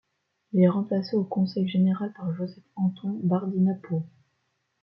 Il est remplacé au Conseil général par Josep Anton Bardina Pau.